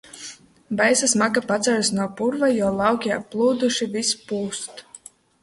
Baisa smaka paceļas no purva, jo lauki applūduši, viss pūst.